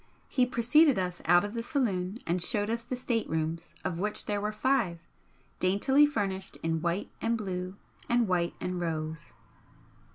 He preceded us out of the saloon and showed us the State rooms, of which there were five, daintily furnished in white and blue and white and rose.